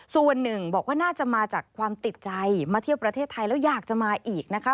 ส่วนหนึ่งบอกว่าน่าจะมาจากความติดใจมาเที่ยวประเทศไทยแล้วอยากจะมาอีกนะคะ